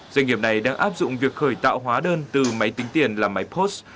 doanh nghiệp này đang áp dụng việc khởi tạo hóa đơn từ máy tính tiền làm máy post